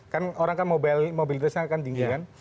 kan orang kan mobilitasnya akan tinggi kan